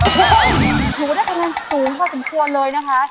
หนูได้กำลังสูงพอสมควรเลยนะคะ